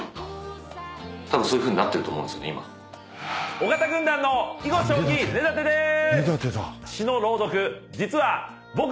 尾形軍団の囲碁将棋根建でーす！